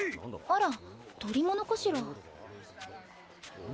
あら捕物かしら？